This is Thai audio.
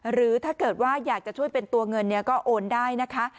หรือถ้าเกิดว่าอยากจะช่วยเป็นตัวเงินก็โอนได้นะคะ